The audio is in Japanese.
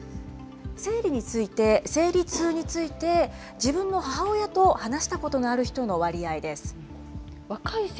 生理について、生理痛について、自分の母親と話したことがある人の割合です。